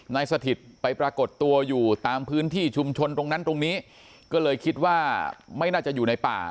สถิตไปปรากฏตัวอยู่ตามพื้นที่ชุมชนตรงนั้นตรงนี้ก็เลยคิดว่าไม่น่าจะอยู่ในป่า